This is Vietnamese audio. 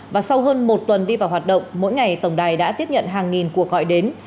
và sau hơn một tuần đi vào hoạt động mỗi ngày tổng đài đã tiếp nhận hàng nghìn cuộc gọi đến